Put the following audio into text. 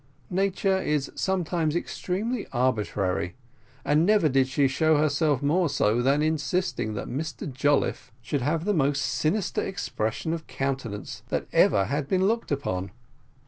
Nature is sometimes extremely arbitrary, and never did she show herself more so than in insisting that Mr Jolliffe should have the most sinister expression of countenance that ever had been looked upon.